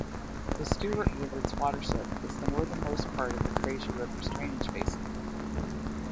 The Stuart River's watershed is the northernmost part of the Fraser River's drainage basin.